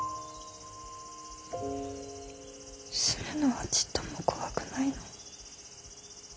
死ぬのはちっとも怖くないの。